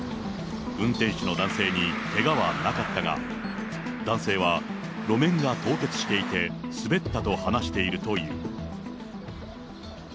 運転手の男性にけがはなかったが、男性は路面が凍結していて滑ったと話しているという。